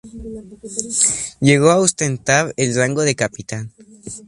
Llegó a ostentar el rango de capitán.